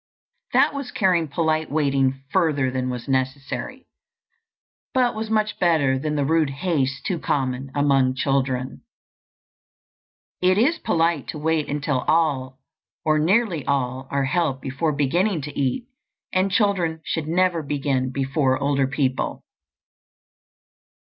This was carrying polite waiting further than was necessary, but was much better than the rude haste too common among children. It is polite to wait until all or nearly all are helped before beginning to eat; and children should never begin before older people.